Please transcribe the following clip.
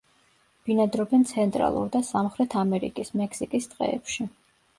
ბინადრობენ ცენტრალურ და სამხრეთ ამერიკის, მექსიკის ტყეებში.